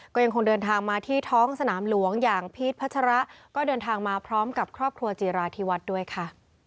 ก็ยังคงเดินทางมาที่ท้องสนามหลวงอย่างพีชพัชระก็เดินทางมาพร้อมกับครอบครัวจีราธิวัฒน์ด้วยค่ะ